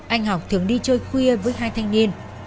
anh học thường đi chơi khuya với hai thanh niên